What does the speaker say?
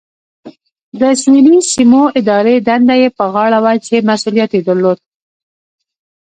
د سویلي سیمو اداري دنده یې په غاړه وه چې مسؤلیت یې درلود.